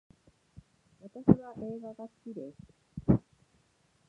私は映画が好きです